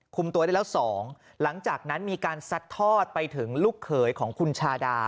ตัวได้แล้วสองหลังจากนั้นมีการซัดทอดไปถึงลูกเขยของคุณชาดา